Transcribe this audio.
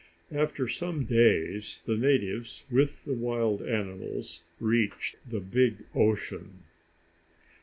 After some days the natives, with the wild animals, reached the big ocean.